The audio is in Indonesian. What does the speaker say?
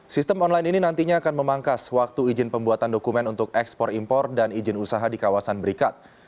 sistem online ini nantinya akan memangkas waktu izin pembuatan dokumen untuk ekspor impor dan izin usaha di kawasan berikat